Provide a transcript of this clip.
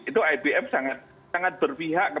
itu ibf sangat berpihak